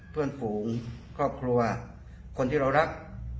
เพื่อนฝูงครอบครัวคนที่เรารัก